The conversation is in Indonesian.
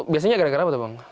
makanya gara gara apa tuh bang